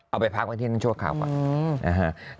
เอาไปพักไว้ที่นั่งชั่วข่าวก่อน